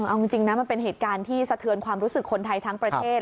เอาจริงนะมันเป็นเหตุการณ์ที่สะเทือนความรู้สึกคนไทยทั้งประเทศ